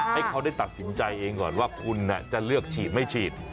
ให้เขาได้ตัดสินใจเองก่อนว่าคุณจะเลือกฉีดไม่ฉีด